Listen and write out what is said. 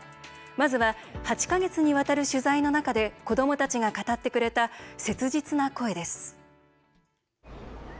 まずは８か月にわたる取材の中で子どもたちが語ってくれた切実な声です。